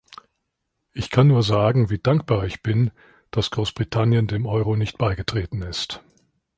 Ich kann nur sagen, wie dankbar ich bin, dass Großbritannien dem Euro nicht beigetreten ist.